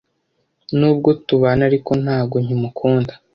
nubwo tubana ariko ntago nkimukunda